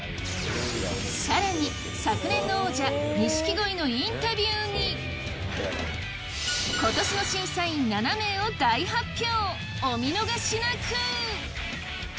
さらに、昨年の王者錦鯉のインタビューにことしの審査員７名を大発表！